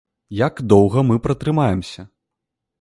Як доўга мы пратрымаемся?